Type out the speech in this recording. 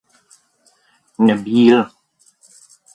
Nabeel.